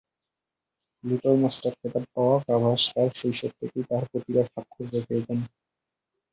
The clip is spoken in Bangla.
লিটল মাস্টার খেতাব পাওয়া গাভাস্কার শৈশব থেকেই তাঁর প্রতিভার স্বাক্ষর রেখে এগোন।